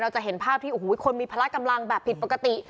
จะเห็นภาพที่โอ้โหคนมีพละกำลังแบบผิดปกติ